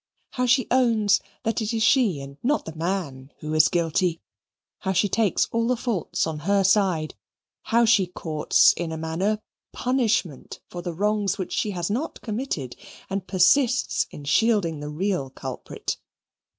How she owns that it is she and not the man who is guilty; how she takes all the faults on her side; how she courts in a manner punishment for the wrongs which she has not committed and persists in shielding the real culprit!